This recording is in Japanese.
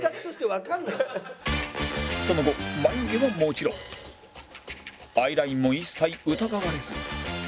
その後眉毛ももちろんアイラインも一切疑われず